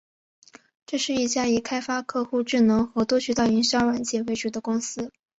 这是一家以开发客户智能和多渠道营销软件为主的公司。